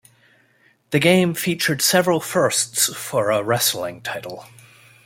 The game featured several firsts for a wrestling title.